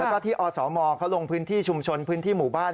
แล้วก็ที่อสมเขาลงพื้นที่ชุมชนพื้นที่หมู่บ้าน